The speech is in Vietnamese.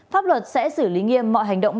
pháp luật sẽ xử lý nghiêm mọi hành động